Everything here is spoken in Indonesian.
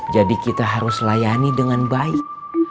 jadi kita harus layani dengan baik